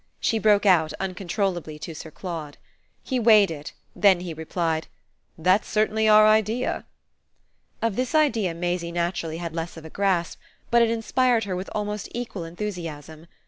she broke out uncontrollably to Sir Claude. He weighed it; then he replied: "That's certainly our idea." Of this idea Maisie naturally had less of a grasp, but it inspired her with almost equal enthusiasm.